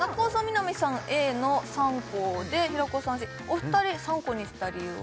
南さんＡの３個で平子さんＣお二人３個にした理由は？